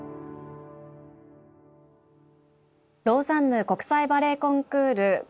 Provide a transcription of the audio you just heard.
「ローザンヌ国際バレエコンクール５０周年記念